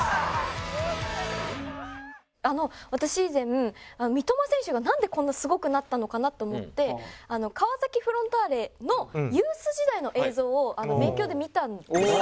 あの私以前三笘選手がなんでこんなすごくなったのかなと思って川崎フロンターレのユース時代の映像を勉強で見たんですよ。